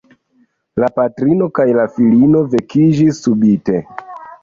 La patrino kaj la filino vekiĝis subite.